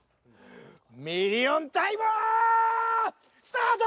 ミリオンタイマースタート！